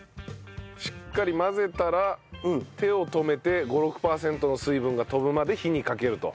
しっかり混ぜたら手を止めて５６パーセントの水分が飛ぶまで火にかけると。